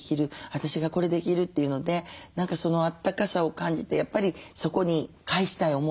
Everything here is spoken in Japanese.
私がこれできるっていうので何かそのあったかさを感じてやっぱりそこに返したい思い